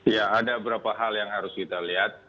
ya ada beberapa hal yang harus kita lihat